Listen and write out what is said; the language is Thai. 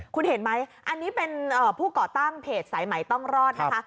คุณเห็นไหมอันนี้เป็นผู้ก่อตั้งเพจสายใหม่ต้องรอดนะคะ